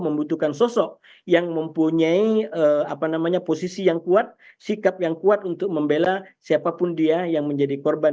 membutuhkan sosok yang mempunyai posisi yang kuat sikap yang kuat untuk membela siapapun dia yang menjadi korban